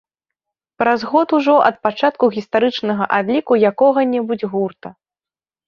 Праз год ужо ад пачатку гістарычнага адліку якога-небудзь гурта.